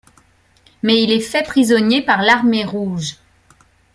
Mais il est fait prisonnier par l'Armée Rouge.